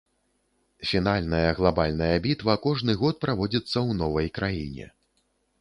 Фінальная глабальная бітва кожны год праводзіцца ў новай краіне.